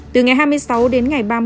từ ngày hai mươi sáu đến ngày ba mươi